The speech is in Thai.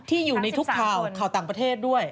ที่อยู่ในทุกขวาขวาต่างประเทศด้วย